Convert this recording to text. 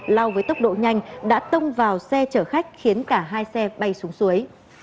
lao với tốc độ nhanh đã tông vào xe chở khách khiến cả hai xe bay xuống suối